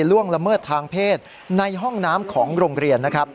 ล่วงละเมิดทางเพศในห้องน้ำของโรงเรียนนะครับ